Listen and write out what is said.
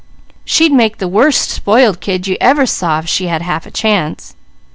She'd make the worst spoiled kid you ever saw if she had half a chance.